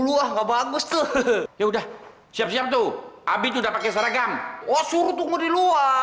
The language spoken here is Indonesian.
udah enak wih